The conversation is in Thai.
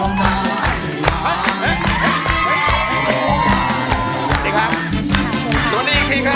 ร้องได้ให้ร้าน